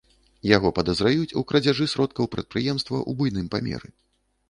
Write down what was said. Яго падазраюць у крадзяжы сродкаў прадпрыемства ў буйным памеры.